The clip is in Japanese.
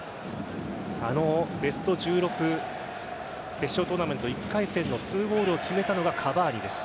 あのベスト１６決勝トーナメント１回戦の２ゴールを決めたのがカヴァーニです。